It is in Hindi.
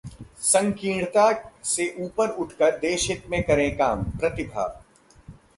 संकीर्णता से ऊपर उठकर देशहित में करें काम: प्रतिभा